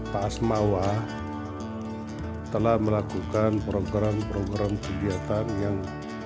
pak asmawa telah melakukan program program kegiatan yang